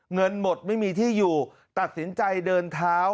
เงินหมดไม่มีที่อยู่ตัดสินใจเดินเท้า